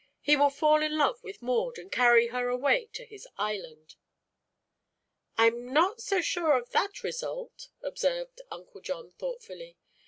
He will fall in love with Maud and carry her away to his island!" "I'm not so sure of that result," observed Uncle John thoughtfully.